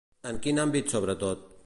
En quin àmbit sobretot?